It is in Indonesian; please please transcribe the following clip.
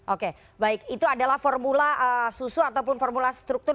oke baik itu adalah formula susu ataupun formula struktur